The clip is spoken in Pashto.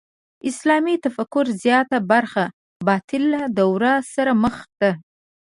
اسلامي تفکر زیاته برخه باطل دور سره مخ ده.